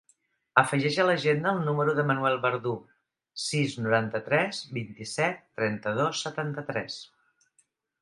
Afegeix a l'agenda el número del Manuel Verdu: sis, noranta-tres, vint-i-set, trenta-dos, setanta-tres.